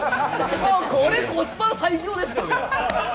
これコスパ最強ですよね？